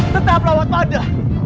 tetap lawat pada